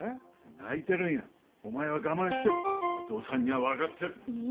泣いてるんやお前は我慢してるお父さんには分かってるいえ